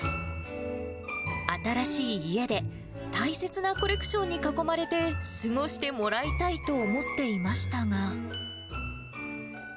新しい家で、大切なコレクションに囲まれて過ごしてもらいたいと思っていましたが。